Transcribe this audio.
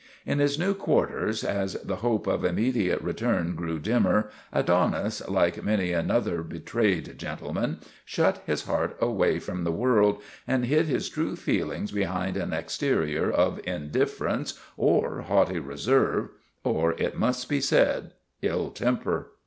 In his new quarters, as the hope of immediate re turn grew dimmer, Adonis, like many another be trayed gentleman, shut his heart away from the world and hid his true feelings behind an exterior of indifference or haughty reserve or, it must be said, ill temper.